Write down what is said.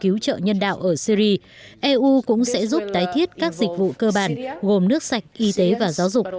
theo đề xuất của bà mogherini eu sẽ huy động quỹ hỗ trợ tái thiết các dịch vụ cơ bản gồm nước sạch y tế và giáo dục